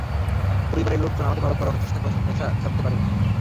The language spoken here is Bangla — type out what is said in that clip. পরিবারের লোকজন আমাকে ভালো করার অনেক চেষ্টা করেছে, কিন্তু নেশা ছাড়তে পারিনি।